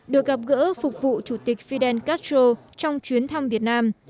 được gặp gỡ phục vụ chủ tịch fidel castro trong chuyến thăm việt nam